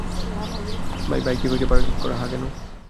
ভাই, বাইক কি বাইরে পার্ক করা হ্যাঁ কেন?